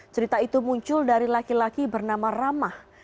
cerita itu muncul dari laki laki bernama ramah